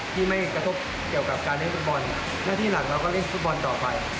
ที่ไม่กระทบเกี่ยวกับการเล่นฟุตบอลหน้าที่หลักเราก็เล่นฟุตบอลต่อไป